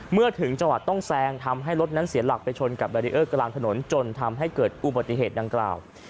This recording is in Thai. เมื่อถึงจังหวัดต้องแซงทำให้รถนั้นเสียหลักไปชนกับแบรีเออร์กลางถนนจนทำให้เกิดอุบัติเหตุดังกล่าว